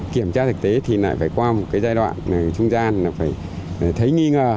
kiểm tra thực tế thì lại phải qua một cái giai đoạn trung gian là phải thấy nghi ngờ